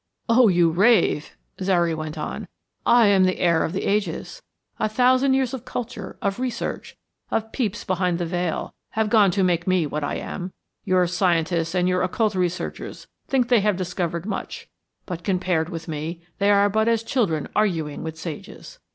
"Oh, you rave," Zary went on. "I am the heir of the ages. A thousand years of culture, of research, of peeps behind the veil, have gone to make me what I am. Your scientists and your occult researchers think they have discovered much, but, compared with me, they are but as children arguing with sages.